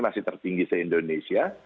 masih tertinggi se indonesia